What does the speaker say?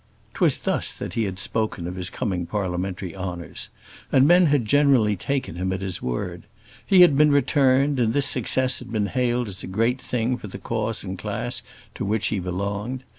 'Twas thus that he had spoken of his coming parliamentary honours; and men had generally taken him at his word. He had been returned, and this success had been hailed as a great thing for the cause and class to which he belonged.